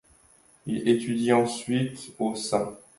Il étudie ensuite au St.